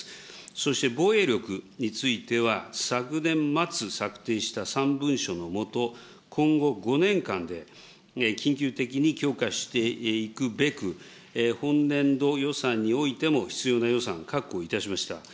そして、防衛力については、昨年末策定した３文書のもと、今後５年間で、緊急的に強化していくべく、本年度予算においても必要な予算、確保いたしました。